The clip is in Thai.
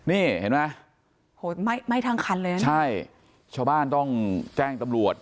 นี่เห็นไหมโหไหม้ไหม้ทั้งคันเลยนะใช่ชาวบ้านต้องแจ้งตำรวจ